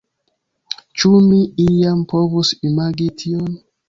Ĉu mi iam povus imagi tion?